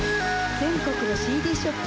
全国のＣＤショップ